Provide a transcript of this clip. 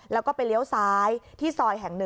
แล้วก็ไปเลี้ยวซ้ายที่ซอยแห่ง๑